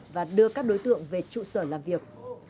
và đưa các đối tượng về trụ sở làm việc